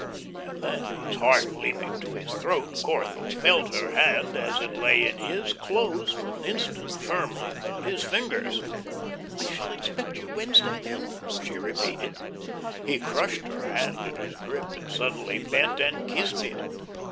And then, his heart leaping to his throat, Corthell felt her hand, as it lay in his, close for an instant firmly about his fingers. "I shall expect you Wednesday then?" she repeated. He crushed her hand in his grip, and suddenly bent and kissed it.